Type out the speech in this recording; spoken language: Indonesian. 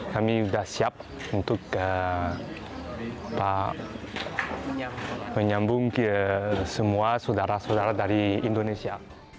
kami sudah siap untuk menyambung ke semua saudara saudara dari indonesia